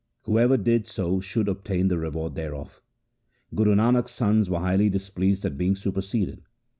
Whoever did so should obtain the reward thereof. Guru Nanak's sons were highly displeased at being superseded.